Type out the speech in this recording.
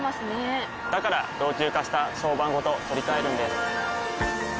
から老朽化した床版ごと取り替えるんです。